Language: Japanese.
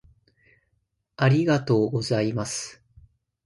ありがとうございます